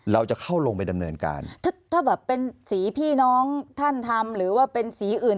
เราจะเข้าลงไปดำเนินการถ้าถ้าแบบเป็นสีพี่น้องท่านทำหรือว่าเป็นสีอื่น